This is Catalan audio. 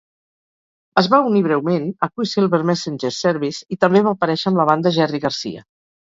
Es va unir breument a Quicksilver Messenger Service i també va aparèixer amb la banda Jerry Garcia.